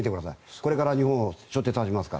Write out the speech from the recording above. これから日本をしょって立ちますから。